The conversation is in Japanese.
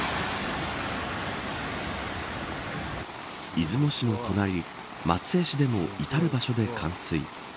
出雲市の隣松江市でも至る場所で冠水。